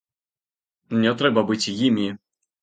Не трэба быць імі!